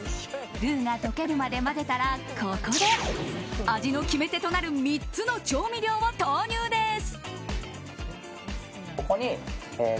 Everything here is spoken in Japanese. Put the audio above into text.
ルーが溶けるまで混ぜたらここで、味の決め手となる３つの調味料を投入です。